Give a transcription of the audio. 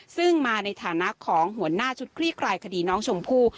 ซึ่งมาในฐานะของหัวหน้าชุดคลี่คลายคดีน้องชมพู่